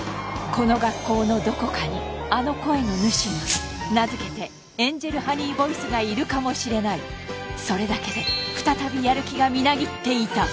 この学校のどこかにあの声の主が名づけてエンジェルハニーボイスがいるかもしれないそれだけで再びやる気がみなぎっていた